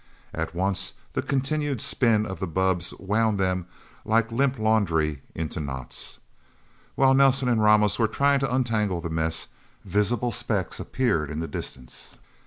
At once, the continued spin of the bubbs wound them, like limp laundry, into knots. While Nelsen and Ramos were trying to untangle the mess, visible specks appeared in the distance.